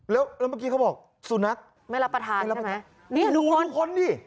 แล้วแล้วเมื่อกี้เขาบอกสุนัขไม่รับประทานใช่ไหมรู้ทุกคนดิ